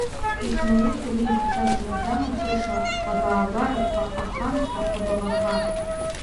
Ихнаҩеит уи, ҵа змаӡам атыша, абаагәарақәа, аханқәа, абаҟақәа.